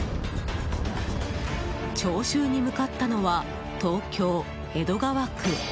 徴収に向かったのは東京・江戸川区。